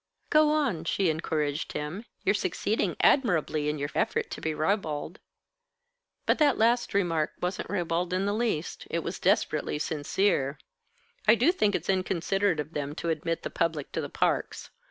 "Go on," she encouraged him. "You're succeeding admirably in your effort to be ribald." "But that last remark wasn't ribald in the least it was desperately sincere. I do think it's inconsiderate of them to admit the public to the parks.